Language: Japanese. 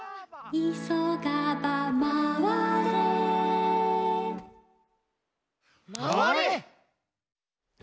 「いそがば」「まわれ？」